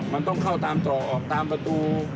มันต้องเข้าตามต่อออกตามประตู